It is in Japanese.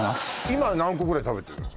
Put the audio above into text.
今は何個ぐらい食べてるの？